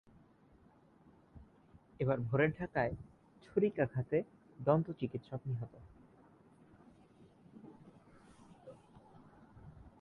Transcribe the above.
এবার ভোরের ঢাকায় ছুরিকাঘাতে দন্ত চিকিৎসক নিহত